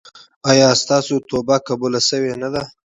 ایا ستاسو توبه قبوله شوې نه ده؟